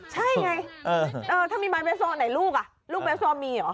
ใช่ไงถ้ามีไม้เบสโซอันไหนลูกอ่ะลูกลูกเบสอมีเหรอ